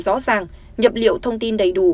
rõ ràng nhập liệu thông tin đầy đủ